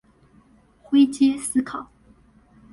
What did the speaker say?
灰階思考